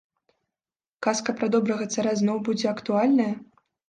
Казка пра добрага цара зноў будзе актуальная?